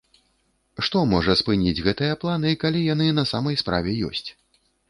Што можа спыніць гэтыя планы, калі яны на самай справе ёсць?